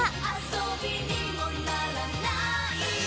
遊びにもならない